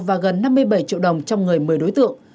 và gần năm mươi bảy triệu đồng trong người một mươi đối tượng